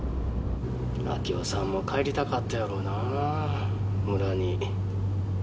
明雄さんも帰りたかったやろうな、村に。